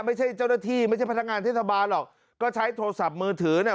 ไม่ใช่เจ้าหน้าที่ไม่ใช่พนักงานเทศบาลหรอกก็ใช้โทรศัพท์มือถือเนี่ย